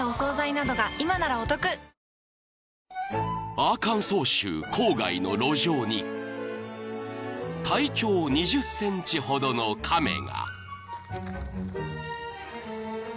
［アーカンソー州郊外の路上に体長２０ｃｍほどの亀が］